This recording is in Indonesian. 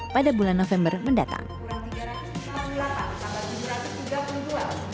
pada bulan november mendatang